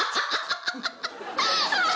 ハハハハ。